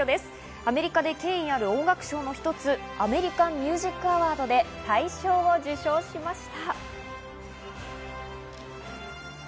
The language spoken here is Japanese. アメリカで権威のある音楽賞の一つ、アメリカン・ミュージック・アワードで大賞を受賞しました。